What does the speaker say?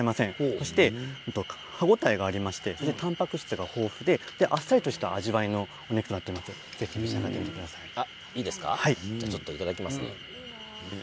そして歯応えがありましてたんぱく質が豊富であっさりとした味わいのお肉となっておりますのでちょっといただきます。